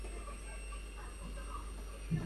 Su "holding" se llama "Sweet As Candy".